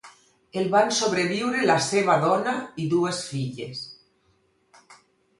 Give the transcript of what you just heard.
El van sobreviure la seva dona i dues filles.